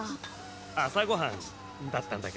あさごはんだったんだけど。